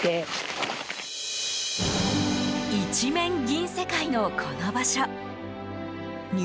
一面銀世界のこの場所入